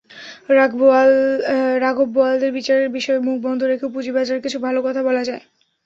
রাঘববোয়ালদের বিচারের বিষয়ে মুখ বন্ধ রেখেও পুঁজিবাজারের কিছু ভালো কথা বলা যায়।